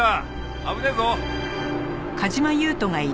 危ねえぞ。